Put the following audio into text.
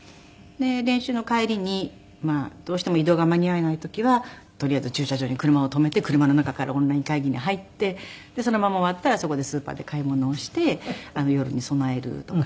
練習の帰りにどうしても移動が間に合わない時はとりあえず駐車場に車を止めて車の中からオンライン会議に入ってそのまま終わったらそこでスーパーで買い物をして夜に備えるとか。